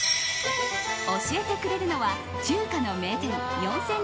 教えてくれるのは、中華の名店４０００